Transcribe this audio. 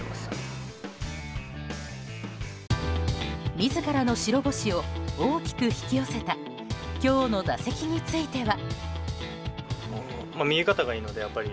自らの白星を大きく引き寄せた今日の打席については。